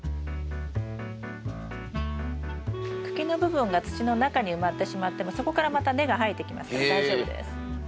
茎の部分が土の中に埋まってしまってもそこからまた根が生えてきますから大丈夫です。